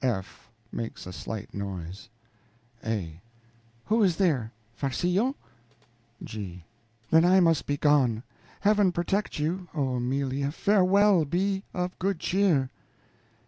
(F. makes a slight noise.) A. Who is there Farcillo? G. Then I must gone. Heaven protect you. Oh, Amelia, farewell, be of good cheer.